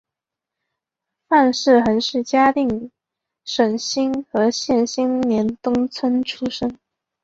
范氏姮是嘉定省新和县新年东村出生。